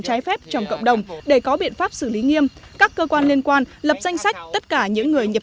trái phép trong cộng đồng để có biện pháp xử lý nghiêm các cơ quan liên quan lập danh sách